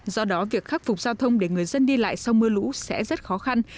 do đó việc khắc phục giao thông để người dân đi lại sau mưa lũ sẽ rất khó khăn